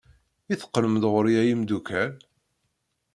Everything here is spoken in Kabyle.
I teqqlem-d ɣer-i a imeddukal?